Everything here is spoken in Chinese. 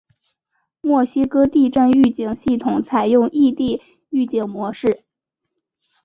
墨西哥地震预警系统采用异地预警模式。